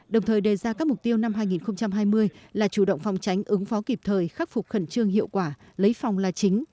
đồng thời đề ra các mục tiêu năm hai nghìn hai mươi là chủ động phòng tránh ứng phó kịp thời khắc phục khẩn trương hiệu quả lấy phòng là chính